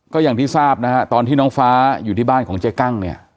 ก็อย่างที่ทราบนะฮะตอนที่น้องฟ้าอยู่ที่บ้านของเจ๊กั้งเนี่ย